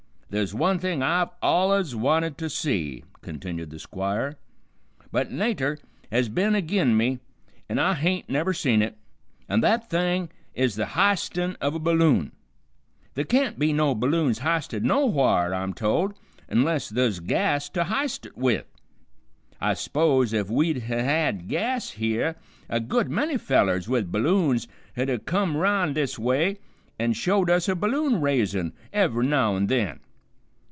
Thuz one thing I've alluz wanted to see," continued the Squire, "but natur' has ben agin me an' I hain't never seen it, an' that thing is the h'istin' of a balloon. Th' can't be no balloons h'isted nowhar, I'm told, 'nless thuz gas to h'ist it with. I s'pose if we'd ha' had gas here, a good many fellers with balloons 'd ha' kim 'round this way an' showed us a balloon raisin' ev'ry now an' then.